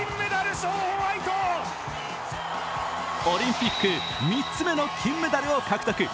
オリンピック３つ目の金メダルを獲得。